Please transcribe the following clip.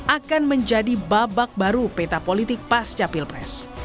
akan menjadi babak baru peta politik pasca pilpres